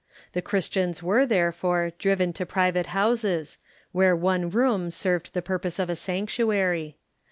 The Christians were, therefore, driven to pri vate houses, where one room served the purpose of a sanctuary.